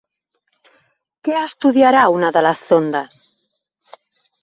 Què estudiarà una de les sondes?